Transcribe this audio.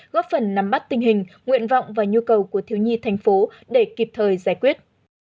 góp phần nắm bắt tình hình nguyện vọng và nhu cầu của thiếu nhi thành phố để kịp thời giải quyết